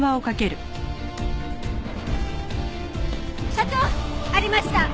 所長ありました。